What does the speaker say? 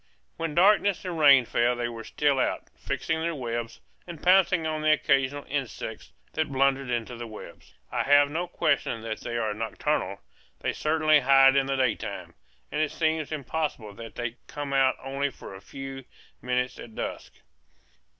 When darkness and rain fell they were still out, fixing their webs, and pouncing on the occasional insects that blundered into the webs. I have no question that they are nocturnal; they certainly hide in the daytime, and it seems impossible that they can come out only for a few minutes at dusk.